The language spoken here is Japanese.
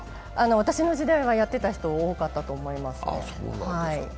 私の時代はやっていた人、多かったと思います。